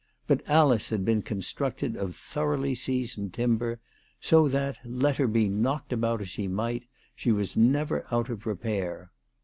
But Alice had been constructed of thoroughly seasoned timber, so that, let her be knocked about as she might, she was never out of repair.'